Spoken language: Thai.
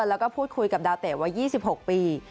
แล้วก็พูดคุยกับดาวเตะวัย๒๖ปี